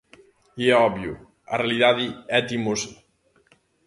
E é obvio, a realidade é teimosa.